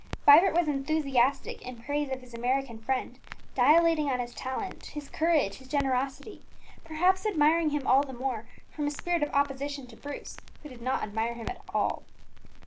Vibert was enthusiastic in praise of his American friend, dilating on his talent, his courage, his generosity, perhaps admiring him all the more from a spirit of opposition to Bruce, who did not admire him at all.